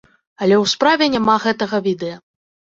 Але ў справе няма гэтага відэа.